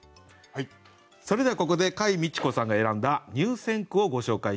それではここで櫂未知子さんが選んだ入選句をご紹介していきます。